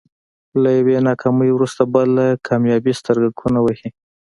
له يوې ناکامي وروسته بله کاميابي سترګکونه وهي.